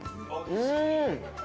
うん！